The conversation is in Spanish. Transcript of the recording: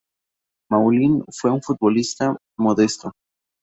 Moulin fue un futbolista modesto.